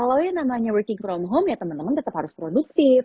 kalau yang namanya working from home ya teman teman tetap harus produktif